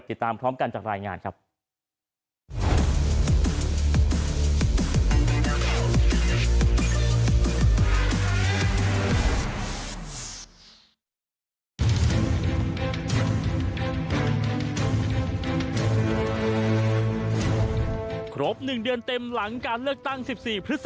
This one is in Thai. ติดตามพร้อมกันจากรายงานครับ